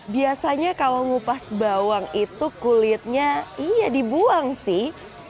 biasanya kalau ngupas bawang itu kulitnya iya dibuang sih